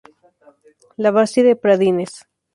La Bastide-Pradines